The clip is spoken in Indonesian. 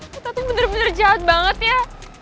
ketatnya bener bener jahat banget ya